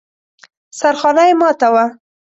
سرخانه يې ماته وه.